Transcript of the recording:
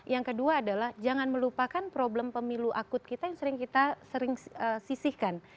yang kedua adalah jangan melupakan problem pemilu akut kita yang sering kita sering sisihkan